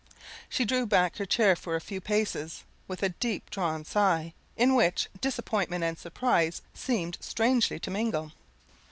She drew back her chair for a few paces, with a deep drawn sigh, in which disappointment and surprise seemed strangely to mingle.